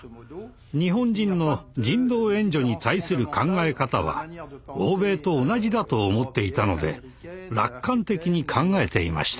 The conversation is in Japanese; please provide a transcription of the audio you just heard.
日本人の人道援助に対する考え方は欧米と同じだと思っていたので楽観的に考えていました。